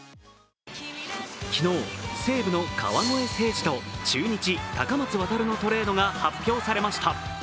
昨日、西武の川越誠司と中日・高松渡のトレードが発表されました。